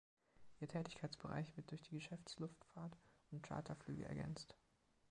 Ihr Tätigkeitsbereich wird durch die Geschäftsluftfahrt und Charterflüge ergänzt.